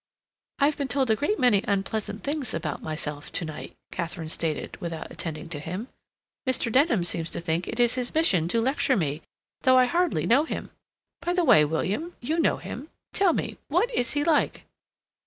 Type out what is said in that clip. "I've been told a great many unpleasant things about myself to night," Katharine stated, without attending to him. "Mr. Denham seems to think it his mission to lecture me, though I hardly know him. By the way, William, you know him; tell me, what is he like?"